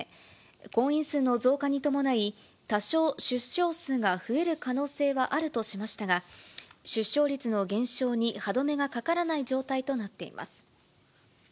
婚姻数の増加に伴い、多少、出生数が増える可能性はあるとしましたが、出生率の減少に歯止めがかからない状態となっています。